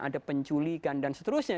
ada penculikan dan seterusnya